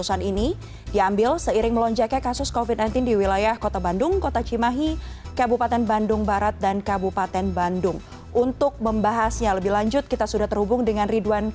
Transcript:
alhamdulillah tadi siang saya tes pcr dan hasilnya tadi sore sudah negatif